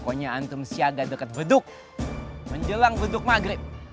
pokoknya antum siaga dekat beduk menjelang beduk maghrib